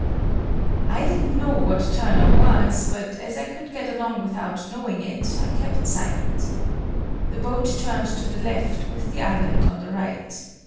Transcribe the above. I didn't know what Turner was, but as I could get along without knowing it, I kept silent. The boat turned to the left with the island on the right.